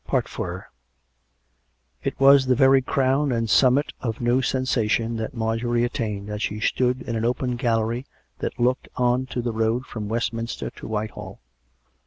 IV It was the very crown and summit of new sensation that Marjorie attained as she stood in an open gallery that looked on to the road from Westminster to Whitehall.